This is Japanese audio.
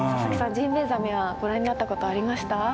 ジンベエザメはご覧になったことはありました？